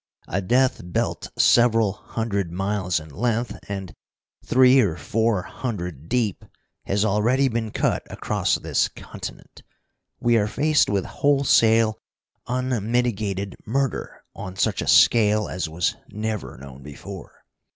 "A death belt several hundred miles in length and three or four hundred deep has already been cut across this continent. We are faced with wholesale, unmitigated murder, on such a scale as was never known before.